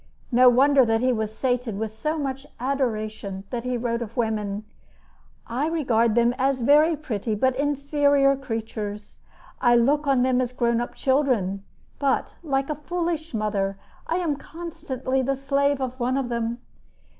No wonder that he was sated with so much adoration and that he wrote of women: I regard them as very pretty but inferior creatures. I look on them as grown up children; but, like a foolish mother, I am constantly the slave of one of them.